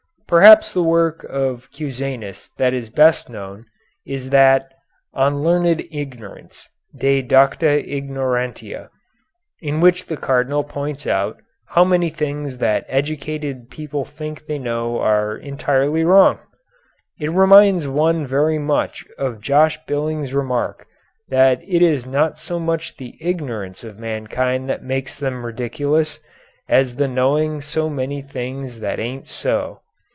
Perhaps the work of Cusanus that is best known is that "On Learned Ignorance De Docta Ignorantia," in which the Cardinal points out how many things that educated people think they know are entirely wrong. It reminds one very much of Josh Billings's remark that it is not so much the ignorance of mankind that makes them ridiculous, as the knowing so many things that ain't so.